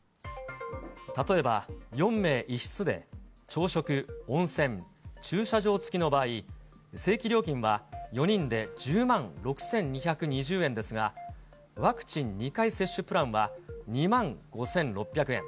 例えば４名１室で、朝食、温泉、駐車場付きの場合、正規料金は４人で１０万６２２０円ですが、ワクチン２回接種プランは、２万５６００円。